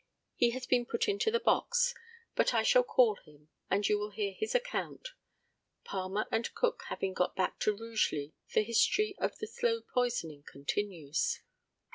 He has been put into the box, but I shall call him, and you will hear his account. Palmer and Cook having got back to Rugeley the history of the slow poisoning continues.